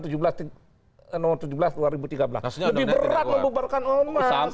lebih berat membubarkan ormas